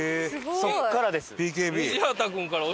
そこからです。